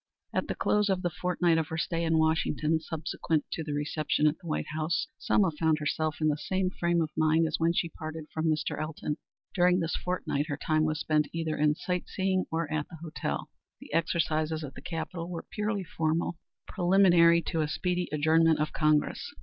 At the close of the fortnight of her stay in Washington subsequent to the reception at the White House, Selma found herself in the same frame of mind as when she parted from Mr. Elton. During this fortnight her time was spent either in sight seeing or at the hotel. The exercises at the Capitol were purely formal, preliminary to a speedy adjournment of Congress.